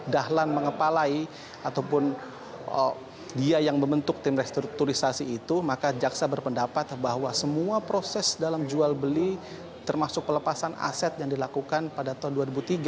dahlan mengepalai ataupun dia yang membentuk tim restrukturisasi itu maka jaksa berpendapat bahwa semua proses dalam jual beli termasuk pelepasan aset yang dilakukan pada tahun dua ribu tiga